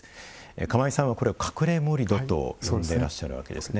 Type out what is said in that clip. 釜井さんはこれを「隠れ盛土」と呼んでらっしゃるわけですね。